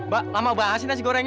mbak lama banget sih nasi gorengnya